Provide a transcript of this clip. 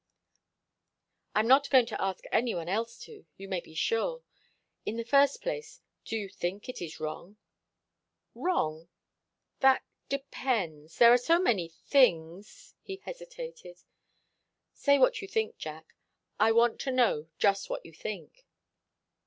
"I'm not going to ask any one else to, you may be sure. In the first place, do you think it wrong?" "Wrong? That depends there are so many things " he hesitated. "Say what you think, Jack. I want to know just what you think."